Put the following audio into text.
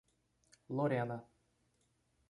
Lorena